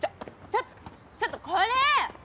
ちょっちょっとこれ！